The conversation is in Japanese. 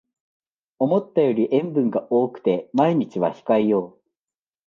思ったより塩分が多くて毎日は控えよう